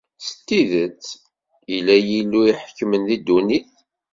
S tidet, illa Yillu iḥekmen di ddunit!